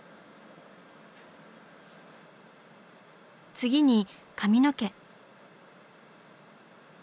次に髪の毛。